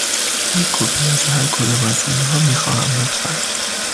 یک کپی از هر کدام از اینها می خواهم، لطفاً.